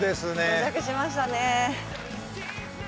到着しましたね。